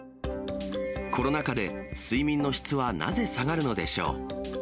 コロナ禍で睡眠の質はなぜ下がるのでしょう。